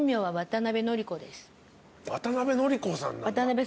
はい。